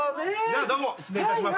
どうも失礼いたします。